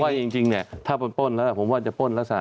แต่ว่าจริงถ้าเป็นป้นแล้วผมว่าจะป้นแล้วส่ะ